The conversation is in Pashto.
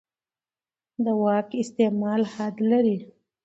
د واک استعمال حد لري